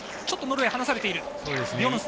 ちょっと離されている。